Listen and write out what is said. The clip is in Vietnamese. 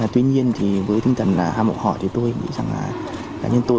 tuy nhiên thì với tinh thần hạ mộ hỏi thì tôi nghĩ rằng là cá nhân tôi